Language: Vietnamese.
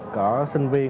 cỡ sinh viên